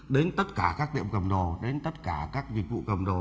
đến tất cả các tiệm cầm đồ đến tất cả các dịch vụ cầm đồ